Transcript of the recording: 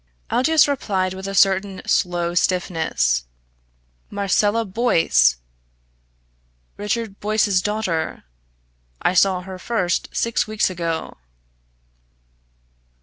Aldous replied with a certain slow stiffness "Marcella Boyce! Richard Boyce's daughter. I saw her first six weeks ago."